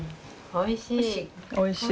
おいしい。